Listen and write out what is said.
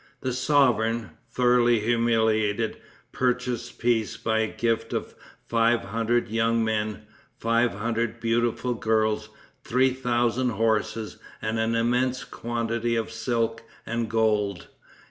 The sovereign, thoroughly humiliated, purchased peace by a gift of five hundred young men, five hundred beautiful girls, three thousand horses and an immense quantity of silks and gold.